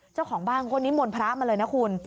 เจ้าของบ้านก็นิมนต์พระมาเลยนะคุณ